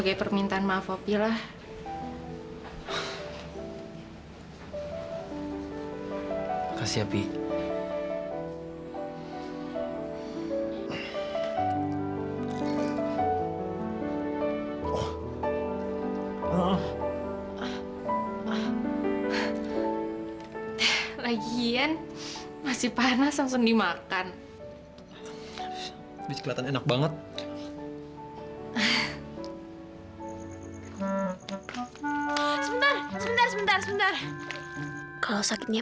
sampai jumpa di video selanjutnya